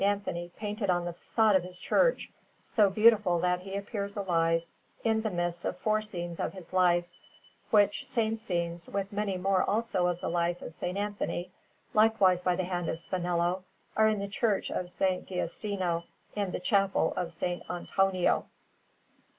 Anthony painted on the façade of his church, so beautiful that he appears alive, in the midst of four scenes of his life; which same scenes, with many more also of the life of S. Anthony, likewise by the hand of Spinello, are in the Church of S. Giustino, in the Chapel of S. Antonio.